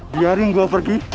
biarin gua pergi